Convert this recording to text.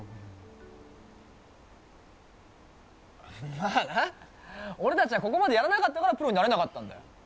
まぁな、俺たちはここまでやらなかったからプロになれなかったんだよ。